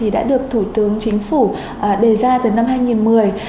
đã được thủ tướng chính phủ đề ra từ năm hai nghìn một mươi